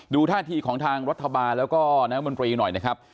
ท่าทีของทางรัฐบาลแล้วก็นายมนตรีหน่อยนะครับ